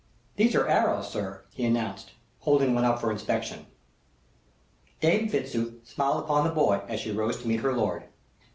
"These are arrows, sir," he announced, holding one up for inspection. Dame Fitzooth smiled upon the boy as she rose to meet her lord.